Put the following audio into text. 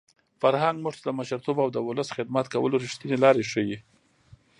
فرهنګ موږ ته د مشرتوب او د ولس د خدمت کولو رښتینې لارې ښيي.